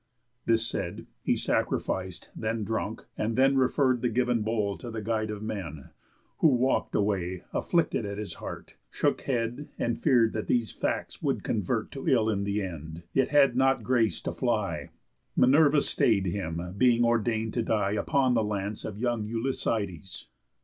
This said, he sacrific'd, then drunk, and then Referr'd the giv'n bowl to the guide of men; Who walk'd away, afflicted at his heart, Shook head, and fear'd that these facts would convert To ill in th' end; yet had not grace to fly, Minerva stay'd him, being ordain'd to die Upon the lance of young Ulyssides.